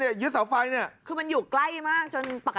จริงคือมันอยู่ใกล้มาก